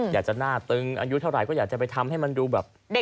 อยากจะหน้าตึงอายุเท่าไหร่ก็อยากจะไปทำให้มันดูแบบ